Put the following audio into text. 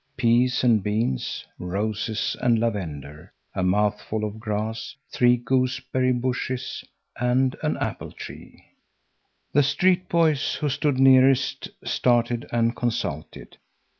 Peas and beans, roses and lavender, a mouthful of grass, three gooseberry bushes and an apple tree. The street boys who stood nearest stared and consulted.